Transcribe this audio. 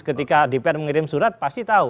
ketika dpr mengirim surat pasti tahu